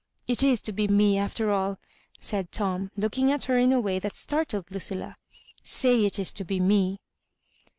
*' It is to be me after all," said Tom, looking at her in a way that startled Lucilla. *' Say it is to be me